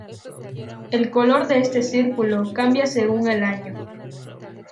El color de este círculo cambia según el año.